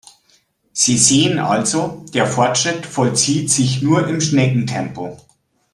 Sie sehen also, der Fortschritt vollzieht sich nur im Schneckentempo.